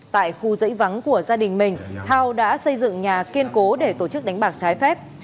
tại khu dãy vắng của gia đình mình thao đã xây dựng nhà kiên cố để tổ chức đánh bạc trái phép